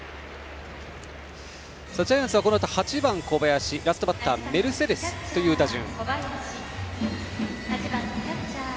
ジャイアンツはこのあと８番小林ラストバッターメルセデスという打順。